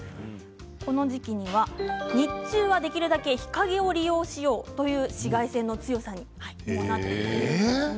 この時期は日中はできるだけ日陰を利用しようという紫外線の強さになっているんです。